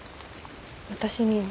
私には。